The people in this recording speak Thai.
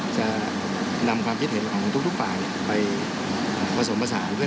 จะนำความคิดเห็นของทุกฝ่ายไปผสมผสานด้วย